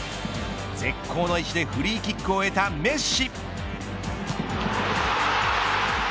絶好の位置でフリーキックを得たメッシ。